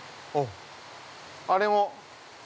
◆あれも。